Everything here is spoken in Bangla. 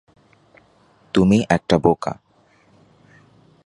তুমি একটা বোকা।